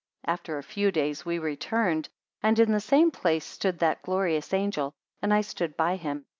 32 After a few days we returned, and in the same place stood that glorious angel, and I stood by him.